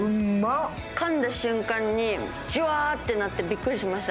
かんだ瞬間にじゅわっとなってびっくりしました。